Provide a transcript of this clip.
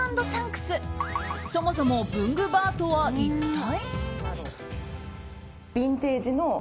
そもそも文具バーとは一体。